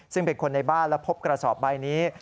ซึ่งเป็นคนในบ้านและพบกระสอบใบนี้